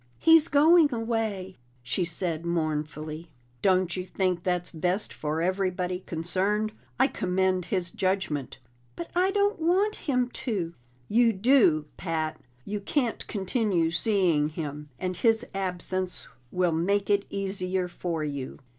"He's going away," she said mournfully. "Don't you think that's best for everybody concerned? I commend his judgment." "But I don't want him to!" "You do, Pat. You can't continue seeing him, and his absence will make it easier for you."